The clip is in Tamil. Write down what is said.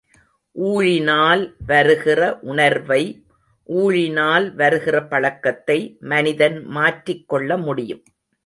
ஊழினால் வருகிற உணர்வை ஊழினால் வருகிற பழக்கத்தை மனிதன் மாற்றிக் கொள்ள முடியும்.